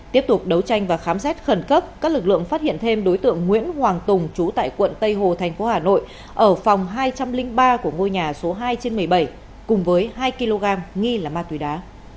tiếp tục đấu tranh và khám xét khẩn cấp các lực lượng phát hiện thêm đối tượng nguyễn hoàng tùng trú tại quận tây hồ thành phố hà nội ở phòng hai trăm linh ba của ngôi nhà số hai trên một mươi bảy cùng với hai kg nghi là ma túy đá